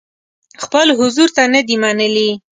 خپل حضور ته نه دي منلي.